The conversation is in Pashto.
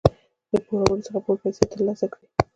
د پوروړي څخه پوره پیسې تر لاسه کوي.